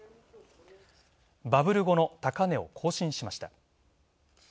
バブル後の高値を更新しました。